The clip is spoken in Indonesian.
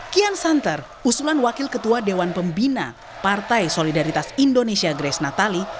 kian santer usulan wakil ketua dewan pembina partai solidaritas indonesia grace natali